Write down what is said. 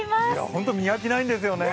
本当に見飽きないんですよね。